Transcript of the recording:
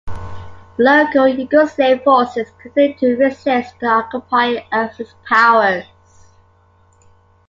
Local Yugoslav forces continued to resist the occupying Axis powers.